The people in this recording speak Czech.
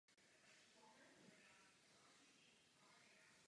Je nepravděpodobné, že by výsledky obou předsednictví nebyly porovnávány.